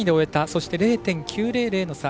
そして０．９００の差